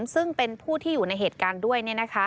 ซึ่งเป็นผู้ที่อยู่ในเหตุการณ์ด้วย